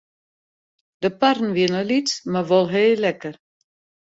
De parren wienen lyts mar wol heel lekker.